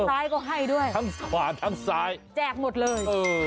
ซ้ายก็ให้ด้วยทั้งขวาทั้งซ้ายแจกหมดเลยเออ